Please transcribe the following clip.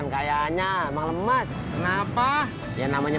nanti bakal kamu ikut dia